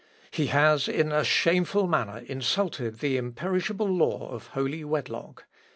He has, in a shameful manner, insulted the imperishable law of holy wedlock.